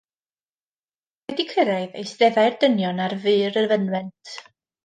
Wedi cyrraedd, eisteddai'r dynion ar fur y fynwent.